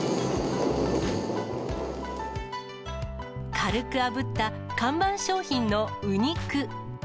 軽くあぶった看板商品のうにく。